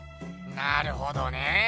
なるほどね。